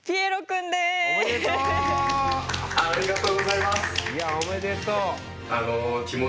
いやおめでとう。